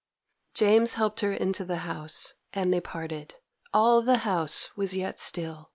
James helped her into the house, and they parted. All the house was yet still.